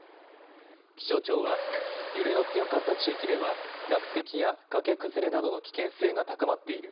気象庁は揺れの強かった地域では落石や崖崩れなどの危険性が高まっている。